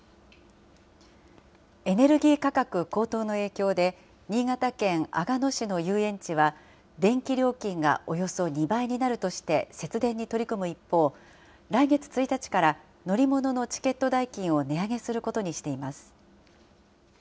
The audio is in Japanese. エネルギー価格高騰の影響で、新潟県阿賀野市の遊園地は、電気料金がおよそ２倍になるとして、節電に取り組む一方、来月１日から乗り物のチケット代金を値上げすることにしています。